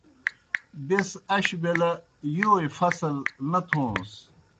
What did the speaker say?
بیْس اش بیلہ یوئے فصل نہ تھوݨَس۔